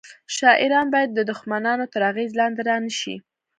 شاعران باید د دښمنانو تر اغیز لاندې رانه شي